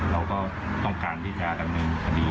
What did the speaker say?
เราก็ต้องการที่จะดำเนินคดี